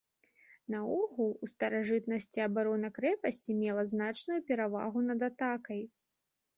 Наогул, у старажытнасці абарона крэпасці мела значную перавагу над атакай.